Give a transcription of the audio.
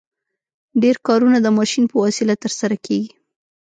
ډېر کارونه د ماشین په وسیله ترسره کیږي.